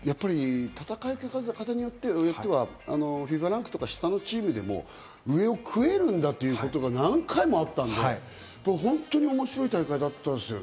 戦い方によってはＦＩＦＡランクとか下のチームでも上を食えるんだっていうことが何回もあったんで、本当に面白い大会だったですよね。